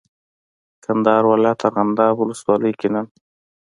کندهار ولایت ارغنداب ولسوالۍ کې نن